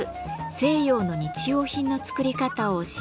西洋の日用品の作り方を教えました。